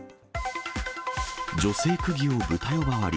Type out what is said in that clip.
女性区議をブタ呼ばわり。